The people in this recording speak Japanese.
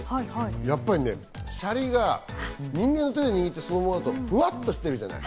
やっぱりね、シャリが微妙に手で握って出されると、ふわっとしてるじゃない。